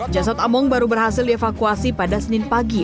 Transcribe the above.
jasad among baru berhasil dievakuasi pada senin pagi